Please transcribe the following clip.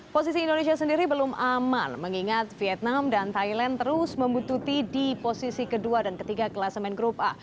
posisi indonesia sendiri belum aman mengingat vietnam dan thailand terus membutuhkan di posisi kedua dan ketiga kelasemen grup a